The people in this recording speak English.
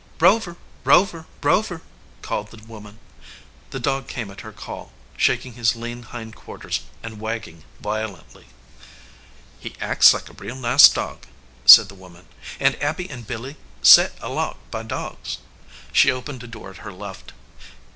"Rover, Rover, Rover," called the woman. The dog came at her call, shaking his lean hind quar ters and wagging violently. "He acts like a real nice dog," said the woman, "and Abby and Billy set a lot by dogs." She opened a door at her left.